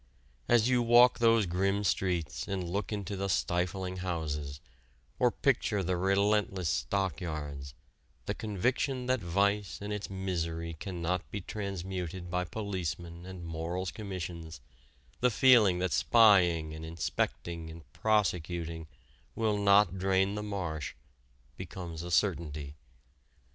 As you walk those grim streets and look into the stifling houses, or picture the relentless stockyards, the conviction that vice and its misery cannot be transmuted by policemen and Morals Commissions, the feeling that spying and inspecting and prosecuting will not drain the marsh becomes a certainty.